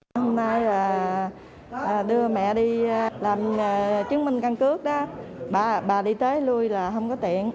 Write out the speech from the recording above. hôm nay là đưa mẹ đi làm chứng minh căn cước đó bà đi tới lui là không có tiện